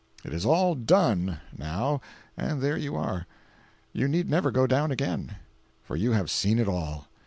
It is all "done," now, and there you are. You need never go down again, for you have seen it all.